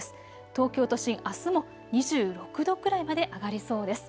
東京都心、あすも２６度くらいまで上がりそうです。